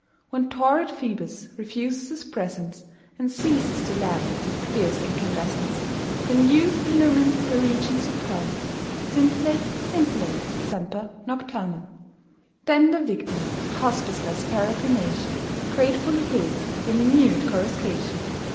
When torrid Phoebus refuses his presence And ceases to lamp with fierce incandescence^ Then you illumine the regions supernal. Scintillate, scintillate, semper nocturnal. Saintc Margirie 4T7 Then the yictiin of hospiceless peregrination Gratefully hails your minute coruscation.